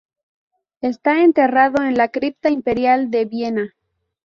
Está enterrado en la Cripta Imperial de Viena.